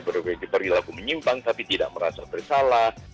beri lagu menyimpang tapi tidak merasa bersalah